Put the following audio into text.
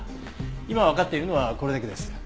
今わかっているのはこれだけです。